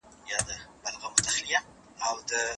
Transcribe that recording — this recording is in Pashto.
شاید یو څوک ستاسو له لارې دا زده کړي.